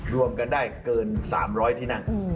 รวมกันได้เกิน๓๐๐ที่นั่ง